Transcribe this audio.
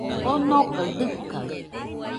Onokaɨ dɨkaɨ